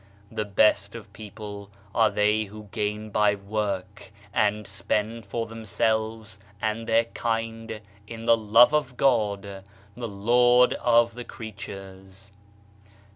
... The best of people are they who gain by work, and spend for themselves and their kind in the Love of God, the Lord of the creatures."